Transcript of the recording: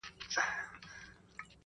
ناځوانه ښه ښېرا قلندري کړې ده,